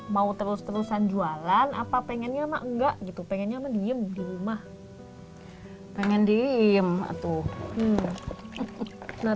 mau terus terusan jualan apa pengennya enggak gitu pengennya menyim di rumah pengen diem atau